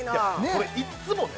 これいっつもね